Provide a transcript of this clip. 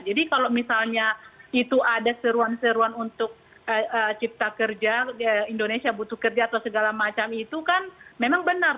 jadi kalau misalnya itu ada seruan seruan untuk cipta kerja indonesia butuh kerja atau segala macam itu kan memang benar